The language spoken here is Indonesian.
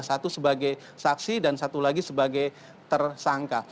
satu sebagai saksi dan satu lagi sebagai tersangka